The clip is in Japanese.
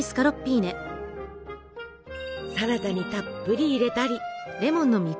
サラダにたっぷり入れたり。